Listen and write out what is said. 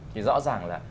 thì rõ ràng là